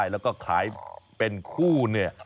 แล้วก็ขายเป็นคู่เนี่ย